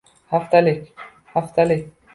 Haftalik